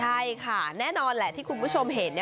ใช่ค่ะแน่นอนแหละที่คุณผู้ชมเห็น